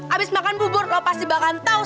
abis makan bubur lo pasti bakal tau